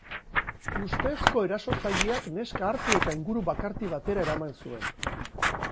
Ustezko erasotzaileak neska hartu eta inguru bakarti batera eraman zuen.